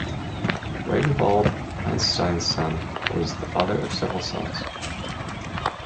Ragnvald Eysteinsson was the father of several sons.